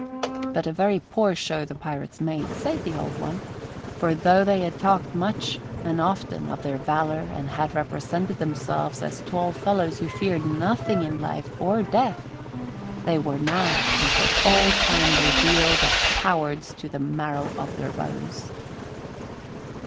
But a very poor show the pirates made, save the Old One; for though they had talked much and often of their valour and had represented themselves as tall fellows who feared nothing in life or death, they were now and for all time revealed as cowards to the marrow of their bones.